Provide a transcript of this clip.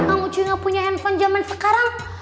kamu cuy gak punya handphone zaman sekarang